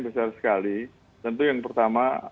besar sekali tentu yang pertama